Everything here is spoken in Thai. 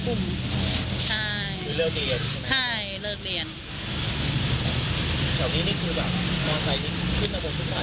กลุ่มใช่หรือเลิกเดียนใช่เลิกเดียนแถวนี้นี่คือ